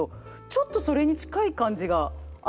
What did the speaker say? ちょっとそれに近い感じがあるのかなって。